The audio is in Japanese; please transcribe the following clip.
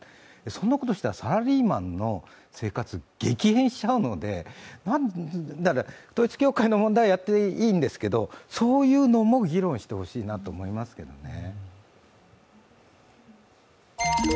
そんなことしたらサラリーマンの生活、激変しちゃうので、だから、統一教会の問題もやっていいんですけどそういうのも議論してほしいなと思いますけどね。